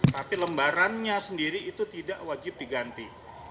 tapi lembarannya sendiri itu tidak wajib diganti